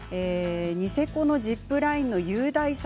ニセコのジップラインの雄大さ